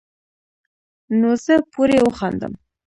نو زۀ پورې وخاندم ـ